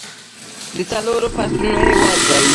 د څلورو فصلونو هیواد دی.